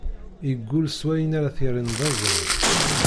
Iggul s wayen ar ad t-yerren d aẓru.